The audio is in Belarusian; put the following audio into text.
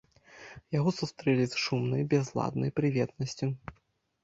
Яго сустрэлі з шумнай, бязладнай прыветнасцю.